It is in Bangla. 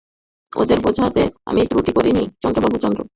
ওঁদের বোঝাতে আমি ত্রুটি করি নি চন্দ্রবাবু– চন্দ্র।